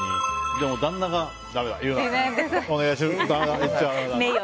でも、旦那がだめだ、言うな、お願いって。